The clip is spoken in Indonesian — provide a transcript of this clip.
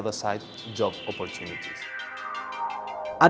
di sisi lain peluang pekerjaan